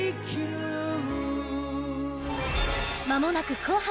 「まもなく紅白！」